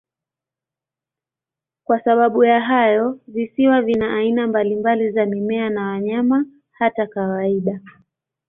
Kwa sababu ya hayo, visiwa vina aina mbalimbali za mimea na wanyama, hata kawaida.